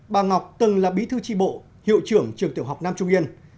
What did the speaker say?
bà ngọc từng là bí thư tri bộ hiệu trưởng trường tiểu học nam trung yên